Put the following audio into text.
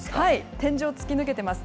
天井、突き抜けてます。